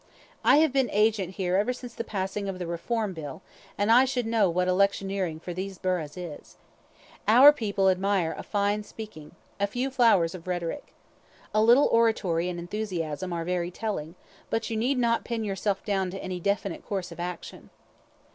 I have been agent here ever since the passing of the Reform Bill, and I should know what electioneering for these burghs is. Our people admire fine speaking a few flowers of rhetoric. A little oratory and enthusiasm are very telling, but you need not pin yourself down to any definite course of action."